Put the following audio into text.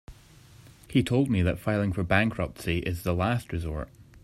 He told me that filing for bankruptcy is the last resort.